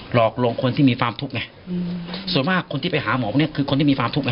หลอกลวงคนที่มีความทุกข์ไงส่วนมากคนที่ไปหาหมอพวกเนี้ยคือคนที่มีความทุกข์ไ